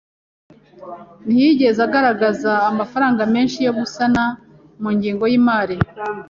Ntiyigeze agaragaza amafaranga menshi yo gusana mu ngengo yimari.